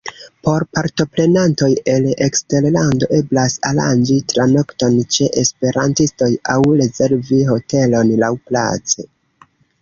Por partoprenantoj el eksterlando eblas aranĝi tranokton ĉe esperantistoj aŭ rezervi hotelon laŭplace.